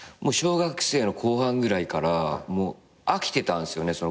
小学生の後半ぐらいから飽きてたんですよね